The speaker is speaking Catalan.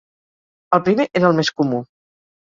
El primer era el més comú.